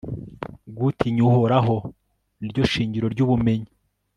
gutinya uhoraho ni ryo shingiro ry'ubumenyi